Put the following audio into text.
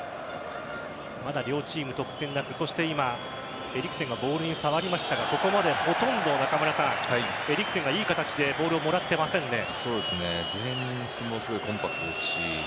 まだ両チーム得点なくそして今、エリクセンがボールに触りましたがここまでほとんどエリクセンが、いい形でボールをもらってませんね。